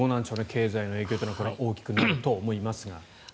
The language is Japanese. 経済への影響は大きくなると思いますが。